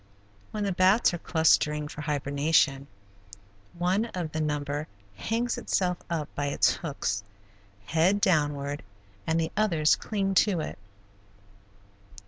When the bats are clustering for hibernation one of the number hangs itself up by its hooks, head downward, and the others cling to it.